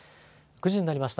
９時になりました。